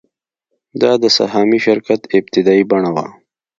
دا د سهامي شرکت ابتدايي بڼه وه